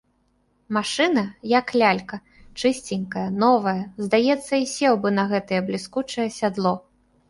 Машына, як лялька, чысценькая, новая, здаецца, і сеў бы на гэтае бліскучае сядло.